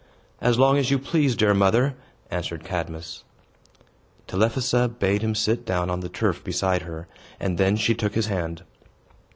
"As long as you please, dear mother," answered Cadmus. Telephassa bade him sit down on the turf beside her, and then she took his hand.